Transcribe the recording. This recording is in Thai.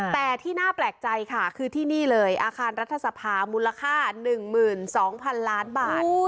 แต่ที่น่าแปลกใจค่ะคือที่นี่เลยอาคารรัฐสภามูลค่า๑๒๐๐๐ล้านบาท